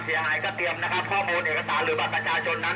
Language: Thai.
เกี่ยวกับเรื่องของผู้ที่รับความเดือดร้อน